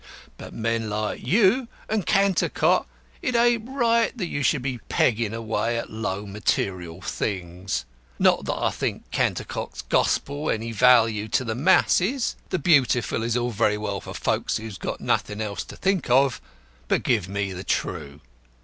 But men like you and Cantercot it ain't right that you should be peggin' away at low material things. Not that I think Cantercot's gospel any value to the masses. The Beautiful is all very well for folks who've got nothing else to think of, but give me the True.